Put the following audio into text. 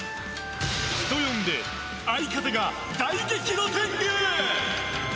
人呼んで、相方が大激怒天狗！